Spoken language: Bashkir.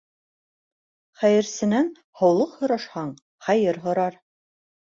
Хәйерсенән һаулыҡ һорашһаң, хәйер һорар.